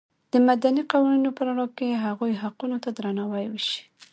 د مدني قوانینو په رڼا کې هغوی حقونو ته درناوی وشي.